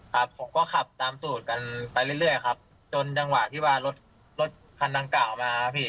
ครับผมก็ขับตามตูดกันไปเรื่อยครับจนจังหวะที่ว่ารถรถคันดังกล่าวมาครับพี่